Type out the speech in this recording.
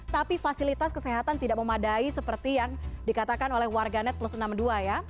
tapi fasilitas kesehatan tidak memadai seperti yang dikatakan oleh warganet plus enam puluh dua ya